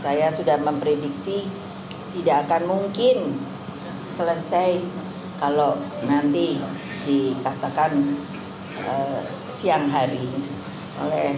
saya sudah memprediksi tidak akan mungkin selesai kalau nanti dikatakan siang hari ini oleh saya dan teman teman saya yang di sini